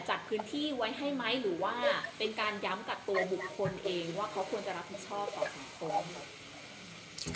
จัดพื้นที่ไว้ให้ไหมหรือว่าเป็นการย้ำกับตัวบุคคลเองว่าเขาควรจะรับผิดชอบต่อสิ่งฟ้องเรา